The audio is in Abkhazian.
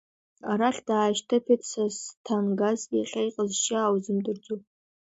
Арахь даашьҭыԥеит Сасҭангаз, иахьа иҟазшьа ааузымдырӡо.